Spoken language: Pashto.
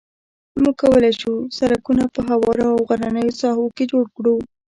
موږ کولای شو سرکونه په هموارو او غرنیو ساحو کې جوړ کړو